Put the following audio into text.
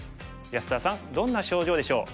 安田さんどんな症状でしょう？